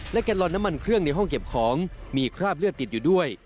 และแกนลอนน้ำมันเครื่องในห้องเก็บของมีคราบเลือดติดอยู่ด้วย